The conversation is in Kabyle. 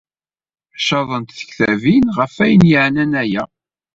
Caḍent tektabin ɣef ayen yeɛnan aya.